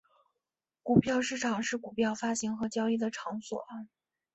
股票市场是股票发行和交易的场所。